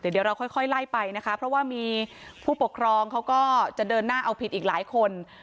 เดี๋ยวเราค่อยไล่ไปนะคะเพราะว่ามีผู้ปกครองเขาก็จะเดินหน้าเอาผิดอีกหลายคน